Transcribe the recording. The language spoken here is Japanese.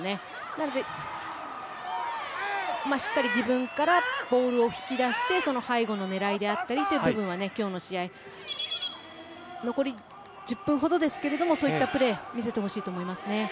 なので、しっかり自分からボールを引き出してその背後の狙いであったりという部分は今日の試合残り１０分ほどですけれどもそういったプレーを見せてほしいと思います。